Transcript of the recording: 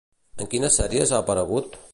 En quines sèries ha aparegut?